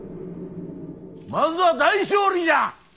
まずは大勝利じゃ！